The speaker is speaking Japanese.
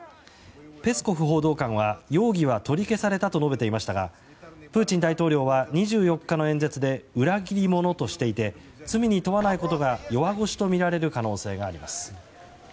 ペスコフ報道官は容疑は取り消されたと述べていましたがプーチン大統領は２４日の演説で裏切り者としていて罪に問わないことが弱腰ととられることが見られます。